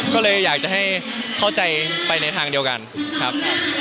ก็เลยอยากจะให้เข้าใจไปในทางเดียวกันครับ